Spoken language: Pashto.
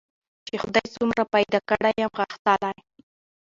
چي خدای څومره پیدا کړی یم غښتلی